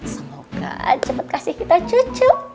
semoga cepat kasih kita cucu